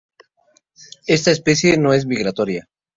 Esta especie no es migratoria.